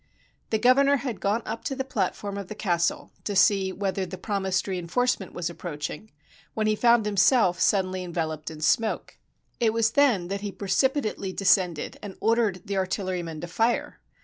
The governor had gone up to the platform of the castle to see whether the promised reinforcement was ap proaching, when he found himself suddenly enveloped in smoke. It was then that he precipitately descended and ordered the artillerymen to fire.